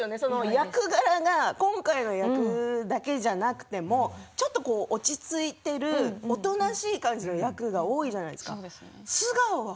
役柄は今回の役だけじゃなくてもちょっと落ち着いているおとなしい感じの役が多いじゃないですか。